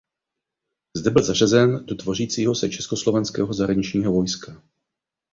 Zde byl zařazen do tvořícího se československého zahraničního vojska.